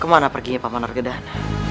kemana perginya paman orgedan